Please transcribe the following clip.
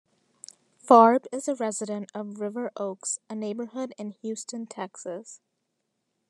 Farb is a resident of River Oaks, a neighborhood in Houston, Texas.